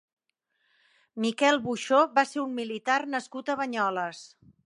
Miquel Boixó va ser un militar nascut a Banyoles.